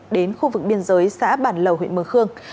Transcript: đến khu vực biên giới xã bản lầu huyện mường khương